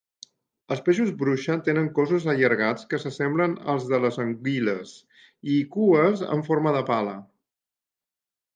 Els peixos bruixa tenen cossos allargats que s'assemblen als de les anguiles i cues amb forma de pala.